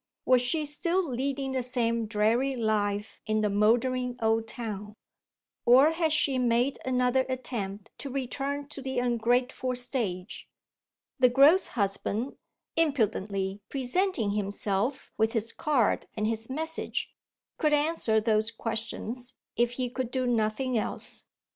Was she still leading the same dreary life in the mouldering old town? Or had she made another attempt to return to the ungrateful stage? The gross husband, impudently presenting himself with his card and his message, could answer those questions if he could do nothing else.